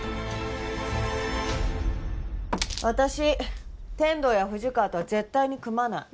私天堂や富士川とは絶対に組まない。